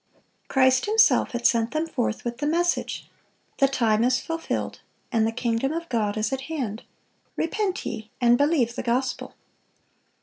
Christ Himself had sent them forth with the message, "The time is fulfilled, and the kingdom of God is at hand: repent ye, and believe the gospel."